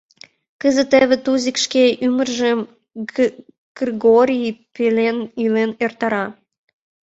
Кызыт теве Тузик шке ӱмыржым Кыргорий пелен илен эртара.